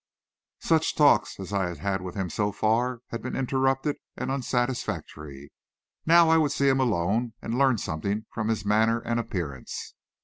Such talks as I had had with him so far, had been interrupted and unsatisfactory. Now I would see him alone, and learn something from his manner and appearance.